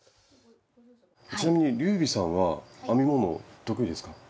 ちなみに龍美さんは編み物得意ですか？